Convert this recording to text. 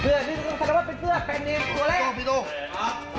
เสื้อ๑ล้านไร้นะเสื้อ๑ล้านไร้นะ